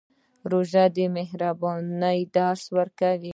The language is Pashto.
روژه د مهربانۍ درس ورکوي.